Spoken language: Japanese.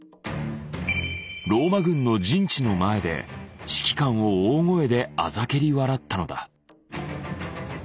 ローマ軍の陣地の前で指揮官を大声であざけり笑ったのだ。